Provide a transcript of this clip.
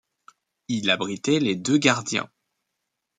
Il abritait les deux gardiens.